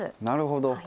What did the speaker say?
なるほど。